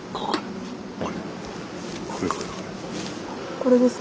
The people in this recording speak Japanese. これですか？